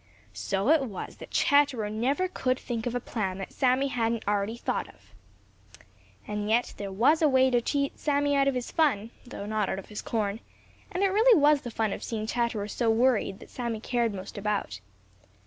So it was that Chatterer never could think of a plan that Sammy hadn't already thought of. And yet there was a way to cheat Sammy out of his fun, though not out of his corn, and it really was the fun of seeing Chatterer so worried that Sammy cared most about.